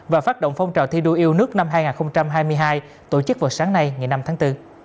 và phát động phong trào thi đua yêu nước năm hai nghìn hai mươi hai tổ chức vào sáng nay ngày năm tháng bốn